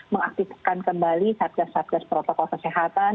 mengaktifkan kembali satgas satgas protokol kesehatan